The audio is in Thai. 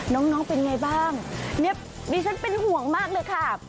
น้องเป็นอย่างไรบ้างดิฉันเป็นห่วงมากเลยค่ะ